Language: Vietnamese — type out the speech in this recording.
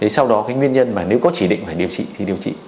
sau đó cái nguyên nhân mà nếu có chỉ định phải điều trị thì điều trị